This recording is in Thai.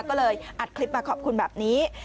ก็เลยอัดคลิปมาขอบคุณแบบนี้